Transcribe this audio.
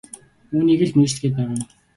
Үүнийгээ л мэргэжил гээд байгаа юм.